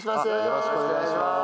よろしくお願いします。